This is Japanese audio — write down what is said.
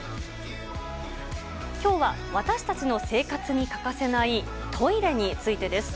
きょうは、私たちの生活に欠かせないトイレについてです。